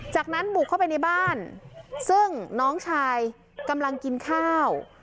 จากนั้นบุกเข้าไปในบ้านซึ่งน้องชายกำลังกินข้าว